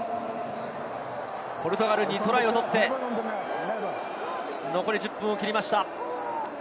ポルトガル、２トライを取って、残り１０分を切りました。